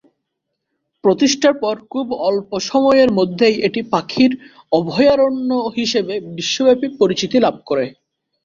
প্রতিষ্ঠার পর খুব অল্প সময়ের মধ্যেই এটি পাখির অভয়ারণ্য হিসেবে বিশ্বব্যাপী পরিচিতি লাভ করে।